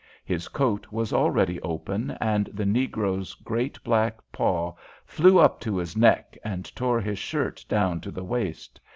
His coat was already open, and the negro's great black paw flew up to his neck and tore his shirt down to the waist.